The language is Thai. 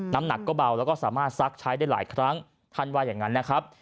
น้ำหนักก็เบาแล้วก็สามารถซักใช้ได้หลายครั้งท่านว่าอย่างนั้นนะครับ